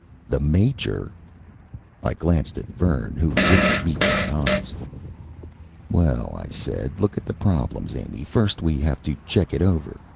"The Major?" I glanced at Vern, who wouldn't meet my eyes. "Well," I said, "look at the problems, Amy. First we have to check it over.